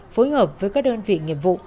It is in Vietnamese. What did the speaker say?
phối hợp với các đơn vị nghiệp vụ